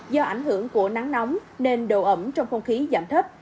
do ảnh hưởng của nắng nóng nên độ ẩm trong không khí giảm thấp